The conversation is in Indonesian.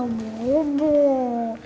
kenzo kangen dibacain dong